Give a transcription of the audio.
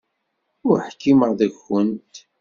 Ur ḥkimeɣ deg-went.